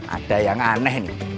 ada yang aneh nih